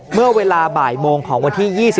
เมื่อเวลาบ่ายโมงของวันที่๒๒